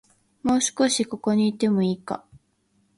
もう少し、ここにいてもいいか